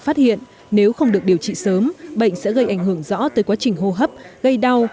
phát hiện nếu không được điều trị sớm bệnh sẽ gây ảnh hưởng rõ tới quá trình hô hấp gây đau